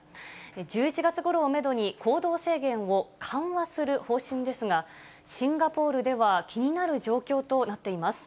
１１月ごろをメドに行動制限を緩和する方針ですが、シンガポールでは気になる状況となっています。